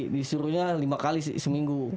disuruhnya lima kali seminggu